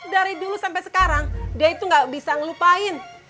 dari dulu sampai sekarang dia itu gak bisa ngelupain